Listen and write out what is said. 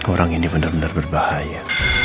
orang ini bener bener berbahaya